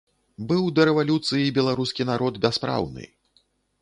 Быў да рэвалюцыі беларускі народ бяспраўны.